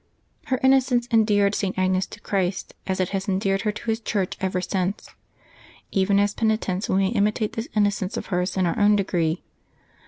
— Her innocence endeared St. Agnes to Christ, as it has endeared her to His Church ever since. Even as penitents we may imitate this innocence of hers in our own degree.